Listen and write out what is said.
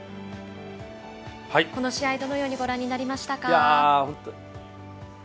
この試合、どのようにご覧になりましたか？